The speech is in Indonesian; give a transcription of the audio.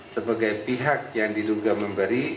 sebagai pihak yang diduga memberi